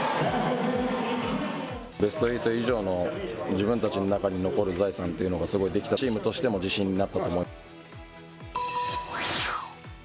ベストエイト以上の自分たちの中に残る財産っていうのができたし、チームとしても自信になったと思います。